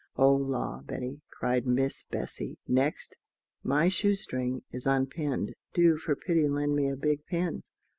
"O la! Betty," cried Miss Bessy next; "my shoe string is unpinned: do, for pity, lend me a big pin."